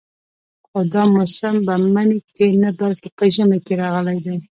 خو دا موسم په مني کې نه بلکې په ژمي کې راغلی دی.